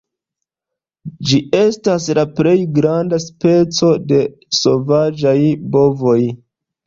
Ĝi estas la plej granda speco de la sovaĝaj bovoj.